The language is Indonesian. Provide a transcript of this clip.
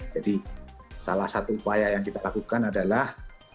salah satu upaya yang kita lakukan adalah